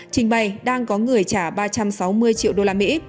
trình bày đang có người trả ba trăm sáu mươi triệu đô la mỹ